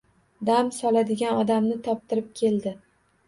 Dam soladigan odamni toptirib keldi